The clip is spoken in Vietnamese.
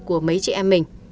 của mấy chị em mình